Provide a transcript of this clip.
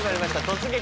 「突撃！